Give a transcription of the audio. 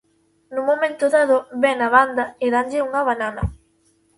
Nun momento dado vén á banda e danlle unha banana.